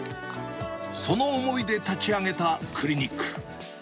その思いで立ち上げたクリニック。